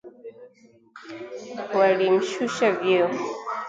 Walimshusha vyeo